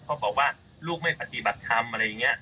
เขาบอกว่าลูกไม่ปฏิบัติธรรมอะไรอย่างนี้